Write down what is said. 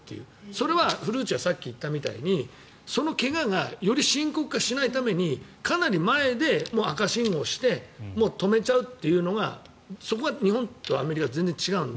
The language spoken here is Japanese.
それは古内がさっき言ったみたいにその怪我がより深刻化しないためにかなり前で赤信号をしてもう止めちゃうというのがそこが日本とアメリカは全然違うので。